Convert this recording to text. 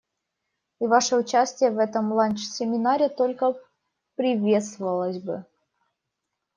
И ваше участие в этом ланч-семинаре только приветствовалось бы.